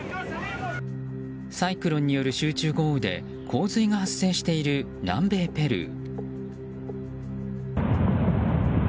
サイクロンによる集中豪雨で洪水が発生している南米ペルー。